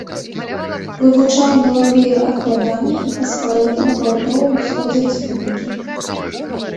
Вывучаў мелавыя адкладанні і фасфарыты на паўднёвым усходзе рэспублікі.